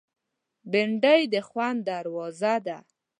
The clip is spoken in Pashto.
بېنډۍ د خوند دروازه ده